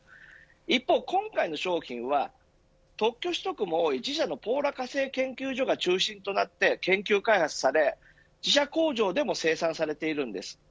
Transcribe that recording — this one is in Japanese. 一方、今回の商品は特許取得も多い自社のポーラ化成研究所が中心となって研究開発され、自社工場でも生産されているんです。